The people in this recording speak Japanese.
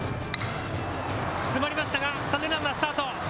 詰まりましたが三塁ランナー、スタート。